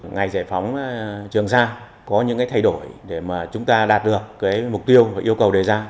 ngày giải phóng trường sa có những cái thay đổi để mà chúng ta đạt được cái mục tiêu và yêu cầu đề ra